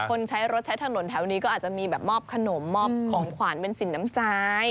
คนใช้รถใช้ถนนแถวนี้ก็อาจจะมีแบบมอบขนมมอบของขวัญเป็นสินน้ำใจ